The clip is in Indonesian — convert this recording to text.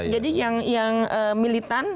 jadi yang militan